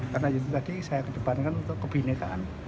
karena itu tadi saya kedepankan untuk kebhinetan